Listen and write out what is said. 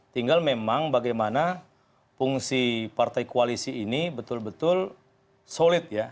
tinggal memang bagaimana fungsi partai koalisi ini betul betul solid ya